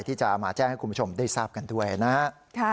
ที่จะมาแจ้งให้คุณผู้ชมได้ทราบกันด้วยนะครับ